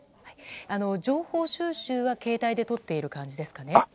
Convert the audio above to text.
情報収集は携帯でとっている感じですかね。